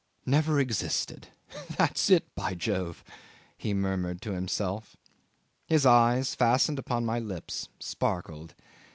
"Never existed that's it, by Jove," he murmured to himself. His eyes, fastened upon my lips, sparkled.